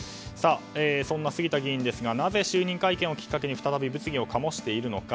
そんな杉田議員ですが就任会見をきっかけに再び物議をかもしているのか。